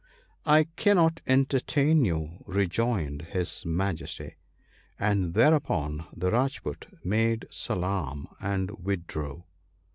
* I cannot entertain you/ rejoined his Majesty ; and thereupon the Rajpoot made salaam, and withdrew.